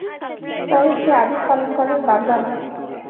Sir, সে আদেশ পালন করার বান্দা না।